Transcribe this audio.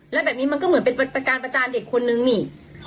แล้วแบบนี้มันก็เหมือนเป็นการประจานเด็กคนนึงนี่